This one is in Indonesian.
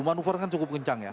manuver kan cukup kencang ya